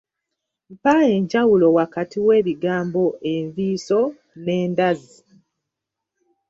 Mpa enjawulo wakati w’ebigambo enviiso ne ndazi.